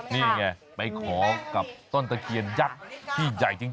นี่ไงไปขอกับต้นตะเคียนยักษ์ที่ใหญ่จริง